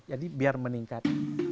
jadi biar meningkat